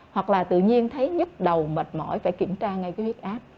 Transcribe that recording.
hoặc là tự nhiên thấy nhức đầu mệt mỏi phải kiểm tra ngay cái huyết áp